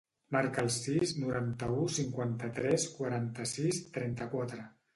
Marca el sis, noranta-u, cinquanta-tres, quaranta-sis, trenta-quatre.